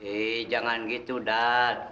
ih jangan gitu dad